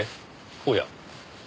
おや！